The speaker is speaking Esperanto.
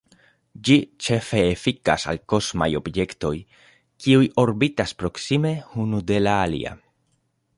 Ĝi ĉefe efikas al kosmaj objektoj, kiuj orbitas proksime unu de la alia.